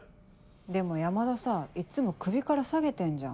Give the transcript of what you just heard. でも山田さいつも首から下げてんじゃん。